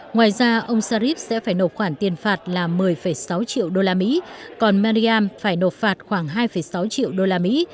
ngoài ra ông sharif sẽ phải nộp khoản tiền phạt là một mươi sáu triệu usd còn mariam phải nộp phạt khoảng hai sáu triệu usd